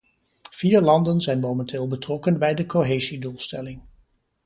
Vier landen zijn momenteel betrokken bij de cohesiedoelstelling.